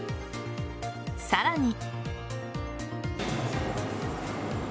さらに。